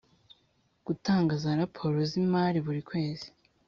gutanga za raporo z imari buri kwezi